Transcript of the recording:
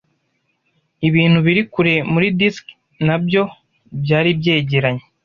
Ibintu biri kure muri disiki nabyo byari byegeranye